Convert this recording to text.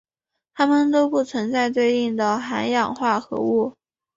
它们都不存在对应的含氧化合物。